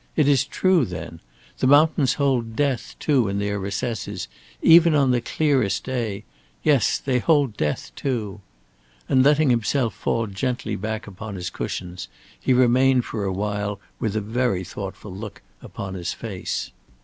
"It is true, then. The mountains hold death too in their recesses even on the clearest day yes, they hold death too!" And letting himself fall gently back upon his cushions, he remained for a while with a very thoughtful look upon his face.